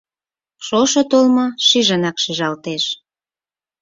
Шошо толмо шижынак шижалтеш.